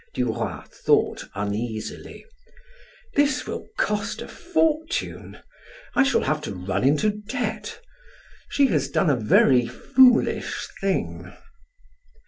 Duroy thought uneasily: "This will cost a fortune. I shall have to run into debt. She has done a very foolish thing."